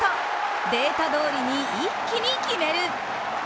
データどおりに一気に決める。